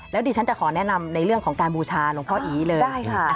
แล้วดิฉันจะขอแนะนำในเรื่องของการบูชาหลวงพ่ออีเลยใช่ค่ะ